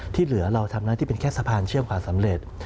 ที่เหลือเราทำหน้าที่เป็นแค่สะพานเชื่อมความสำเร็จ